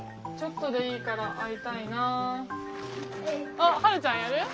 あっはるちゃんやる？